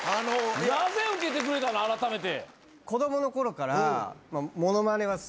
なぜ受けてくれたのあらためて。